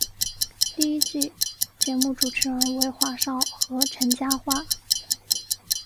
第一季节目主持人为华少和陈嘉桦。